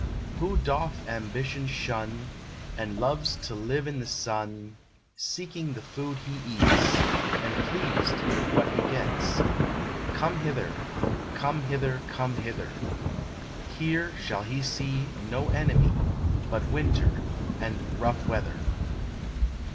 Who doth ambition shun, And loves to live i' the sun, Seeking the food he eats, And pleased with what he gets, Come hither, come hither, come hither: Here shall he see No enemy But winter and rough weather.